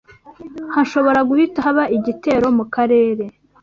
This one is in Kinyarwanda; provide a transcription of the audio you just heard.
hashobora guhita haba igitero mu karere